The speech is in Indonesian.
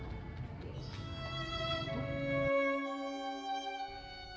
seperti papan luncur atau skateboard